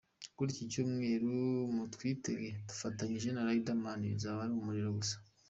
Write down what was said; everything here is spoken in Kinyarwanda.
Kuri iki cyumweru mutwitege dufatanyije na Riderman bizaba ari umuriro gusa.